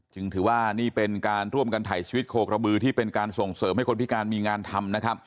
ถือว่านี่เป็นการร่วมกันถ่ายชีวิตโคกระบือที่เป็นการส่งเสริมให้คนพิการมีงานทำนะครับ